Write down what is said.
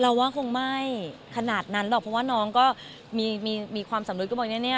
ว่าคงไม่ขนาดนั้นหรอกเพราะว่าน้องก็มีความสำนึกก็บอกเนี่ย